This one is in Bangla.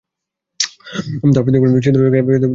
তারপর, সেটাকে চিরতরে হারিয়েছি, কী কষ্টই না লেগেছে।